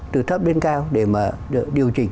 từ thấp đến cao để mà điều chỉnh